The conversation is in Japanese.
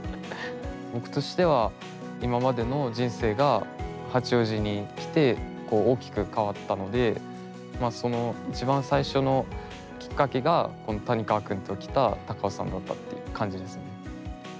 僕としては、今までの人生が八王子に来て大きく変わったのでその一番最初のきっかけが谷川君と来た高尾山だったって感じです。